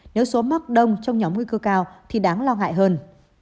nếu số mắc đông trong nhóm nguy cơ cao thì đáng lo ngại hơn